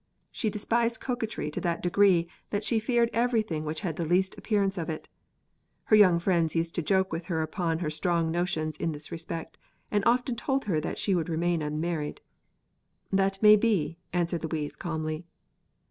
She despised coquetry to that degree that she feared everything which had the least appearance of it. Her young friends used to joke with her upon her strong notions in this respect, and often told her that she would remain unmarried. "That may be!" answered Louise calmly.